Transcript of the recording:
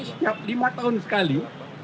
setiap lima tahun sekali